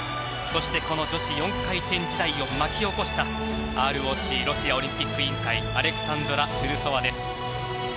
そしてこの女子４回転時代を巻き起こしたＲＯＣ・ロシアオリンピック委員会アレクサンドラ・トゥルソワ。